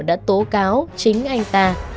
đã tố cáo chính anh ta